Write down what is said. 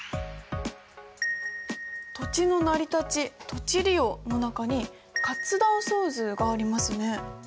土地の成り立ち・土地利用の中に活断層図がありますね。